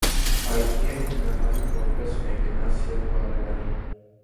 Հայտնի է հիմնականում որպես մեկենաս և բարերար։